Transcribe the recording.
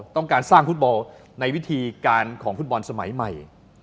ต้องการสร้างฟุตบอลในวิธีการของฟุตบอลสมัยใหม่